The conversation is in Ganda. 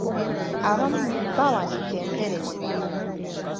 Abamu baawandiika empeerezi bbiri.